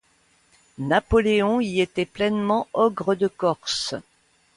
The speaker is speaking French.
Napoléon y était pleinement Ogre de Corse.